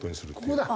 ここだ。